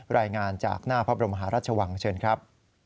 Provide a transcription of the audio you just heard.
รายงานจากหน้าพระบรมหาราชวังเชิญครับ